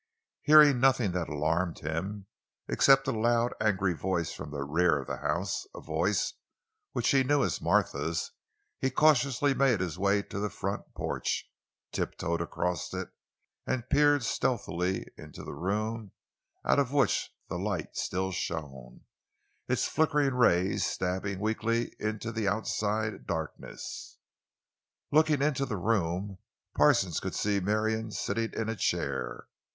Hearing nothing that alarmed him, except a loud, angry voice from the rear of the house—a voice which he knew as Martha's—he cautiously made his way to the front porch, tiptoed across it, and peered stealthily into the room out of which the light still shone, its flickering rays stabbing weakly into the outside darkness. Looking into the room, Parsons could see Marion sitting in a chair.